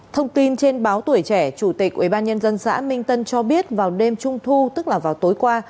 thông tin trên báo tuổi trẻ chủ tịch ubnd xã minh tân cho biết vào đêm trung thu tức là vào tối qua